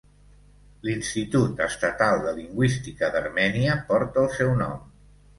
L'Institut Estatal de Lingüística d'Armènia porta el seu nom.